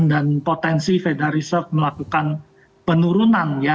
dan potensi fedarisek melakukan penurunan